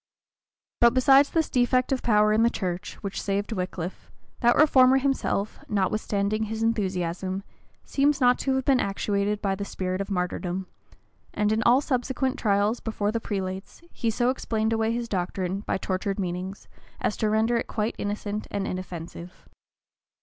But besides this defect of power in the church, which saved Wickliffe, that reformer himself, notwithstanding his enthusiasm, seems not to have been actuated by the spirit of martyrdom; and in all subsequent trials before the prelates, he so explained away his doctrine by tortured meanings, as to render it quite innocent and inoffensive.